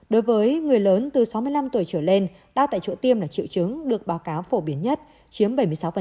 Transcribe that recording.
đối với người lớn từ sáu mươi năm tuổi trở lên đau tại chỗ tiêm là triệu chứng được báo cáo phổ biến nhất chiếm bảy mươi sáu